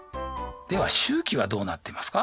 では周期はどうなっていますか？